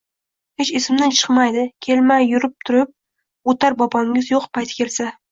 Hech esimdan chiqmaydi: kelmay yurib-yurib, oʼtar bobongiz yoʼq payti kelsa!